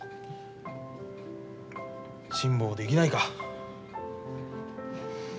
辛抱できないか。